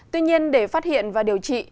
tuy nhiên để phát hiện và điều trị